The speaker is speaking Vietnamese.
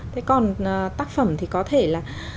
thế còn tác phẩm thì có thể là